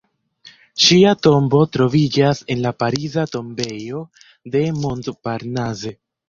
Ŝia tombo troviĝas en la Pariza Tombejo de Montparnasse.